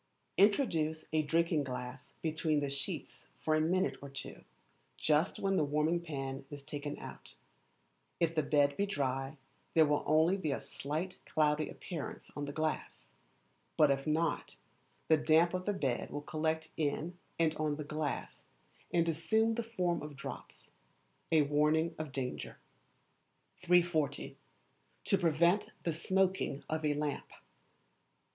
Introduce a drinking glass between the sheets for a minute or two, just when the warming pan is taken out; if the bed be dry, there will only be a slight cloudy appearance on the glass, but if not, the damp of the bed will collect in and on the glass and assume the form of drops a warning of danger. 340. To prevent the Smoking of a Lamp.